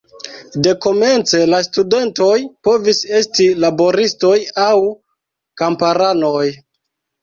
Dekomence la studentoj povis esti laboristoj aŭ kamparanoj.